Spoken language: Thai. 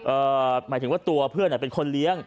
หมายถึงว่าตัวเพื่อนเป็นคนเลี้ยง